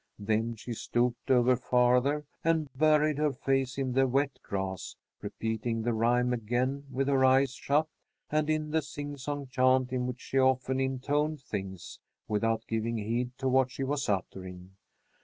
Then she stooped over farther and buried her face in the wet grass, repeating the rhyme again with her eyes shut and in the singsong chant in which she often intoned things, without giving heed to what she was uttering.